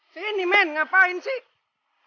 sini men ngapain sih